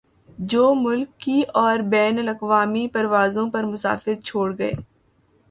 جو ملکی اور بین الاقوامی پروازوں پر مسافر چھوڑ گئے